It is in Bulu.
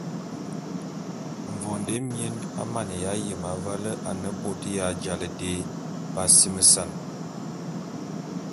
Mvondo émien a maneya yem avale ane bôt ya ja dé b’asimesan.